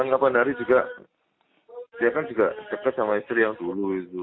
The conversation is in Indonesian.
kapan hari juga dia kan juga dekat sama istri yang dulu itu